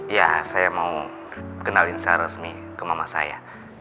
ya saya mau kenalin secara resmi ke mama saya